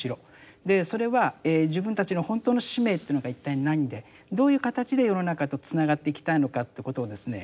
でそれは自分たちの本当の使命というのが一体何でどういう形で世の中とつながっていきたいのかということをですね